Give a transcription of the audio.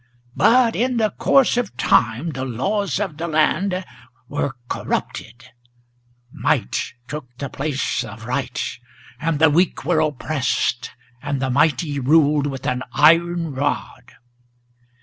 But in the course of time the laws of the land were corrupted; Might took the place of right, and the weak were oppressed, and the mighty Ruled with an iron rod.